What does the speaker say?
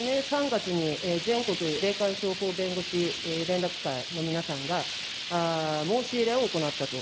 ３月に全国霊感商法弁護士連絡会の皆さんが、申し入れを行ったと。